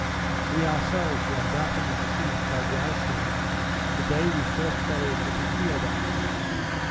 We ourselves were undoubtedly deceived by the ice hills, the day we first fell in with the field ice.